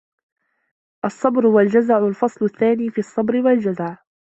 الصَّبْرُ وَالْجَزَعُ الْفَصْلُ الثَّانِي فِي الصَّبْرِ وَالْجَزَعِ